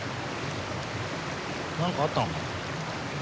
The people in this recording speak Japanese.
何かあったのか？